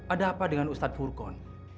ada apa dengan ustadz hurkon